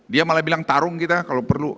dia malah bilang tarung kita kalau perlu